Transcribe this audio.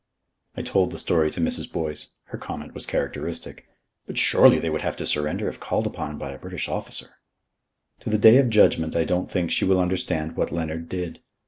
I told the story to Mrs. Boyce. Her comment was characteristic: "But surely they would have to surrender if called upon by a British Officer." To the Day of Judgment I don't think she will understand what Leonard did.